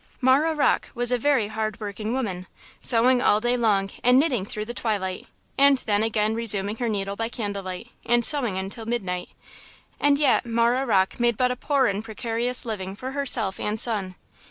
Marah Rocke was a very hard working woman, sewing all day long and knitting through the twilight, and then again resuming her needle by candle light and sewing until midnight–and yet Marah Rocke made but a poor and precarious living for herself and son.